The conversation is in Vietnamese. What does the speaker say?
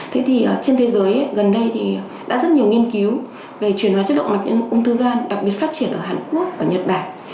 thế thì trên thế giới gần đây thì đã rất nhiều nghiên cứu về truyền hóa chất động mạch những ung thư gan đặc biệt phát triển ở hàn quốc và nhật bản